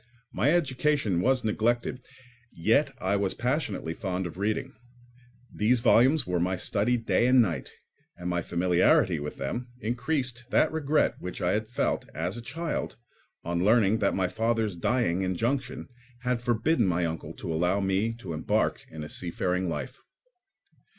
My education was neglected, yet I was passionately fond of reading. These volumes were my study day and night, and my familiarity with them increased that regret which I had felt, as a child, on learning that my father's dying injunction had forbidden my uncle to allow me to embark in a seafaring life.